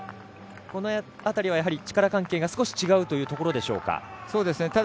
この辺りは、力関係が、少し違うというところでしょうか？